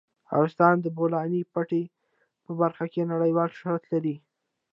افغانستان د د بولان پټي په برخه کې نړیوال شهرت لري.